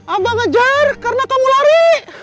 abah mengejar karena kamu lari